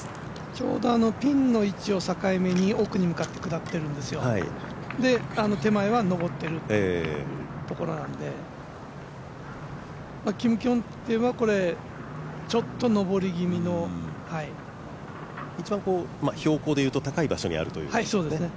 ちょうどピンの位置を境目に、奥に向かって下ってるんですよで、手前は上っているというところなのでキム・キョンテはちょっと上り気味の一番、標高でいうと、高い場所にあるという。